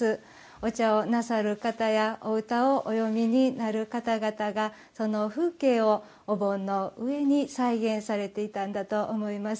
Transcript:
お茶をなさる方やお歌をお詠みになる方々が風景をお盆の上に再現されていたんだと思います。